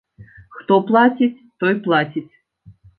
Хто плаціць, той плаціць.